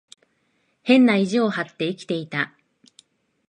変な意地を張って生きていた。